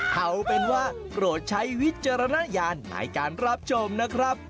เอาเป็นว่าโปรดใช้วิจารณญาณในการรับชมนะครับ